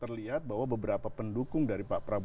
terlihat bahwa beberapa pendukung dari pak prabowo